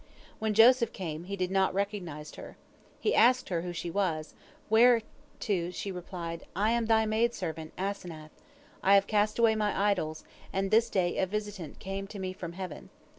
When Joseph came, he did not recognize her. He asked her who she was, whereto she replied, "I am thy maid servant Asenath! I have cast away my idols, and this day a visitant came to me from heaven.